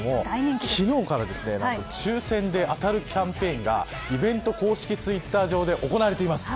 昨日から抽選で当たるキャンペーンがイベント公式ツイッター上で行われています。